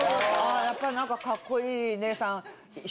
やっぱり何かカッコいい姉さん。